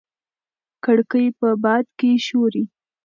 کړکۍ په باد کې ښوري.